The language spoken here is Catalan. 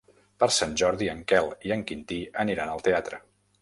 Per Sant Jordi en Quel i en Quintí aniran al teatre.